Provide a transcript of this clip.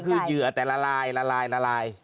คือเหยื่อแต่ละลาย